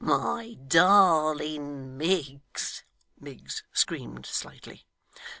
'My darling Miggs ' Miggs screamed slightly.